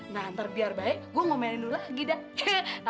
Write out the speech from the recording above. ntar biar baik gua ngomongin lu lagi deh